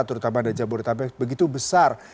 terutama dari jabodetabek begitu besar